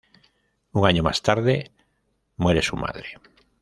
Un año más tarde, muere su madre.